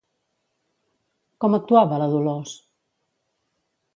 Com actuava la Dolors?